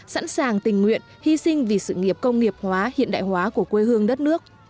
sẵn sàng tình nguyện hy sinh vì sự nghiệp công nghiệp hóa hiện đại hóa của quê hương đất nước